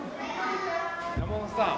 山本さん。